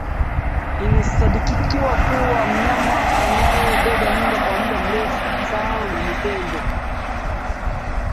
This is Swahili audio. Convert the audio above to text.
Dalili nyingine ya ugonjwa ni kupumua kwa shida kwa mnyama